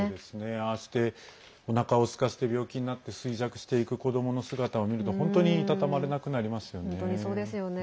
ああして、おなかをすかせて病気になって衰弱していく子どもの姿を見ると、本当に居たたまれなくなりますよね。